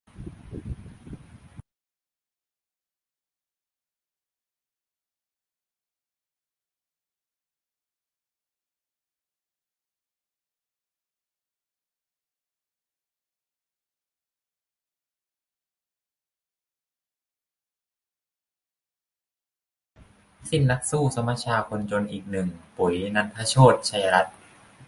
สิ้นนักสู้สมัชชาคนจนอีกหนึ่ง 'ปุ๋ย-นันทโชติ ชัยรัตน์'